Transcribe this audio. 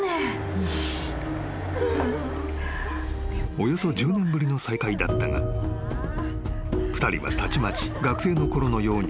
［およそ１０年ぶりの再会だったが２人はたちまち学生のころのように意気投合］